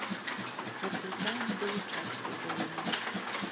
Заклікаем далучацца да яе.